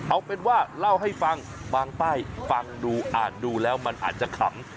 เอาเป็นว่าเล่าให้ฟังบางป้ายฟังดูอ่านดูแล้วมันอาจจะขำ